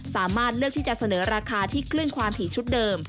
สามารถเลือกที่จะเสนอราคาที่คลื่นความถี่ชุดเดิม